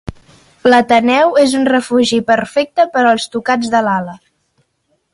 L'Ateneu és un refugi perfecte per als tocats de l'ala.